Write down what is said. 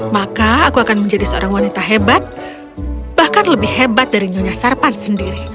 maka aku akan menjadi seorang wanita hebat bahkan lebih hebat dari nyonya sarpan sendiri